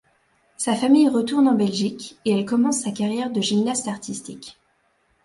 Sa famille retourne en Belgique et elle commence sa carrière de gymnaste artistique.